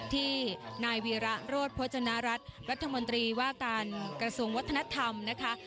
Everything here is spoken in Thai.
ที่นายวีระโรธโภจนารัฐรัฐมนตรีว่าการกระทรวงวัฒนธรรมนะคะ